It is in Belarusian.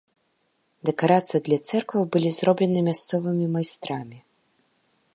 Дэкарацыі для цэркваў былі зроблены мясцовымі майстрамі.